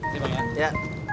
sini bang ya